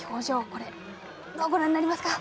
これ、どうご覧になりますか。